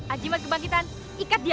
ajimat kebangkitan ikat dia